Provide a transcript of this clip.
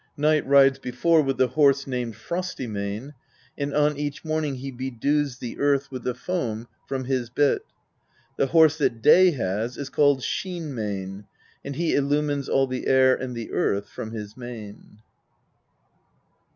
Night rides before with the horse named Frosty Mane, and on each morning he bedews the earth with the foam from his bit. The horse that Day has is called Sheen Mane, and he illumines all the air and the earth from his mane."